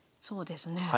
そうですね。